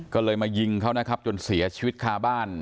ก็เลยมายิงเขานะครับจนเสียชีวิตคาบ้าน